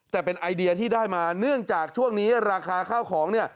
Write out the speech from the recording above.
แต่เป็นไอเดียที่ได้มาเนื่องจากช่วงนี้ราคาข้าวของเนี่ย